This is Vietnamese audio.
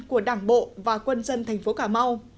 của đảng bộ và quân dân thành phố cà mau